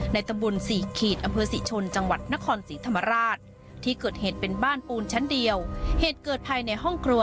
ในตะบุ่น๔อัมเพศศีชนจังหวัดนครสีธรรมราชที่เกิดเกิดเป็นบ้านปูนชั้นเดียว